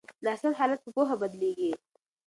ناسم حالات په پوهه بدلیږي.